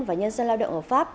và nhân dân lao động ở pháp